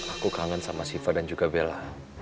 aku kangen sama siva dan juga bella